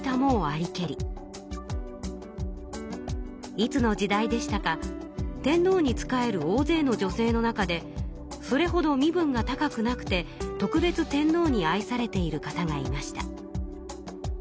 「いつの時代でしたか天のうに仕える大ぜいの女性の中でそれほど身分が高くなくて特別天のうに愛されている方がいました」。